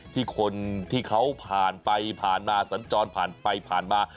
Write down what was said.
ที่คนที่เขาผ่านไปผ่านมาสัญจรผ่านไปผ่านมา